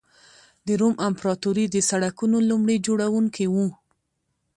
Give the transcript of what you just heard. د روم امپراتوري د سړکونو لومړي جوړوونکې وه.